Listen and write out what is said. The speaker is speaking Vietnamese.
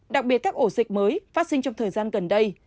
đặc biệt các ổ dịch mới phát sinh trong thời gian gần đây